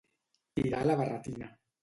Tirar la barretina.